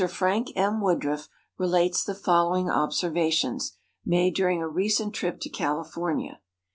Frank M. Woodruff relates the following observations, made during a recent trip to California.